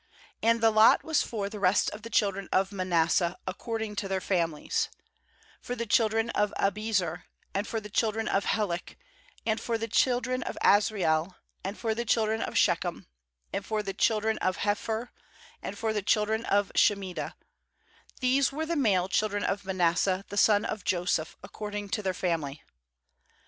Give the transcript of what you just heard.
_ 2And the lot was for the rest of the children of Manasseh according to their families; for the children of Abiezer, and for the children of Helek, and for the children of Asriel, and for the children of Shechem, and for the children of Hepher, and for the chil dren of Shemida; these were the male children of Manasseh the son of Joseph according to their families.